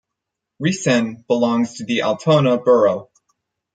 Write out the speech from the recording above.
Rissen belongs to the Altona borough.